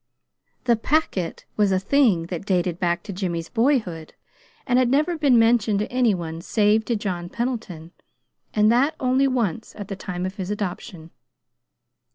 "The Packet" was a thing that dated back to Jimmy's boyhood, and had never been mentioned to any one save to John Pendleton, and that only once, at the time of his adoption.